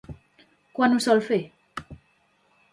Quan ho sol fer?